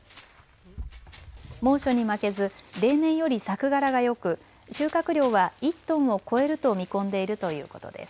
猛暑に負けず例年より作柄がよく収穫量は１トンを超えると見込んでいるということです。